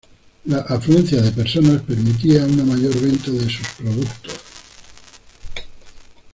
La afluencia de personas permitía una mayor venta de sus productos.